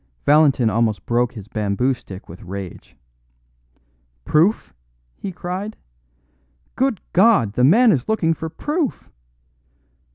Valentin almost broke his bamboo stick with rage. "Proof!" he cried. "Good God! the man is looking for proof!